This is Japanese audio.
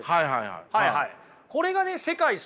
はいはい。